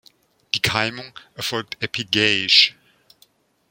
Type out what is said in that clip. Die Keimung erfolgt epigäisch.